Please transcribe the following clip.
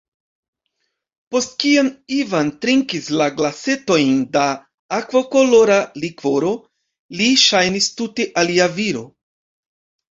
Post kiam Ivan trinkis la glasetojn da akvokolora likvoro, li ŝajnis tute alia viro.